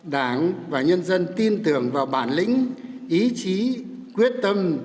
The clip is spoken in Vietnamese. đảng và nhân dân tin tưởng vào bản lĩnh ý chí quyết tâm